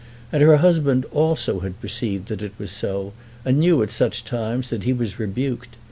And her husband also had perceived that it was so, and knew at such times that he was rebuked.